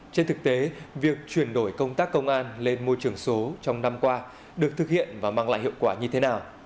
trên thực tế việc chuyển đổi công tác công an lên môi trường số trong năm qua được thực hiện và mang lại hiệu quả như thế nào